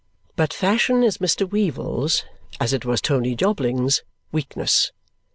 But fashion is Mr. Weevle's, as it was Tony Jobling's, weakness.